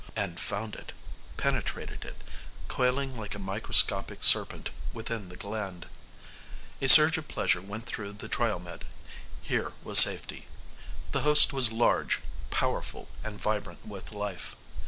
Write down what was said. And found it, penetrated it, coiling like a microscopic serpent within the gland. A surge of pleasure went through the Triomed. Here was safety. The host was large, powerful and vibrant with life.